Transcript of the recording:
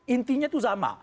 intinya itu sama